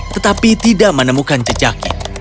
tetapi tidak menemukan jejaknya